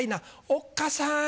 おっかさん！